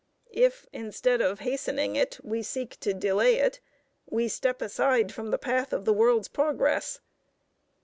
If, instead of hastening it, we seek to delay it, we step aside from the path of the world's progress.